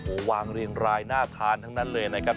โอ้โหวางเรียงรายน่าทานทั้งนั้นเลยนะครับ